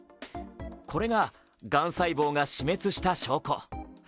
これががん細胞が死滅した証拠。